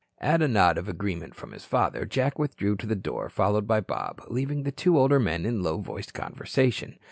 At a nod of agreement from his father, Jack withdrew to the door, followed by Bob, leaving the two older men in low voiced conversation.